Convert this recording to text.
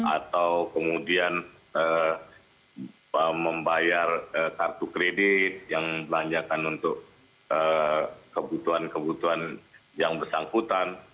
atau kemudian membayar kartu kredit yang belanjakan untuk kebutuhan kebutuhan yang bersangkutan